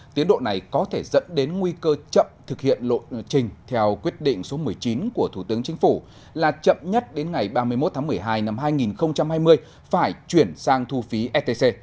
tiến độ này có thể dẫn đến nguy cơ chậm thực hiện lộ trình theo quyết định số một mươi chín của thủ tướng chính phủ là chậm nhất đến ngày ba mươi một tháng một mươi hai năm hai nghìn hai mươi phải chuyển sang thu phí stc